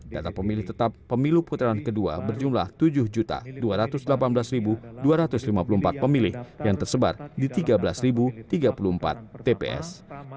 data pemilih tetap pemilu putaran kedua berjumlah tujuh dua ratus delapan belas dua ratus lima puluh empat pemilih yang tersebar di tiga belas tiga puluh empat tps